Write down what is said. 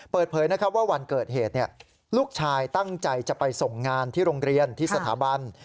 เปิดเผยนะครับว่าวันเกิดเหตุลูกชายตั้งใจจะไปส่งงานที่โรงเรียนที่สถาบัน